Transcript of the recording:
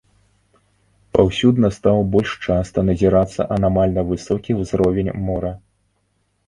Паўсюдна стаў больш часта назірацца анамальна высокі ўзровень мора.